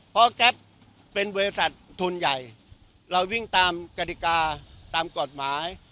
เพราะแก๊ปเป็นบริษัททุนใหญ่เราวิ่งตามกฎิกาตามกฎหมาย